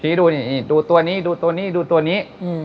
ดูนี่ดูตัวนี้ดูตัวนี้ดูตัวนี้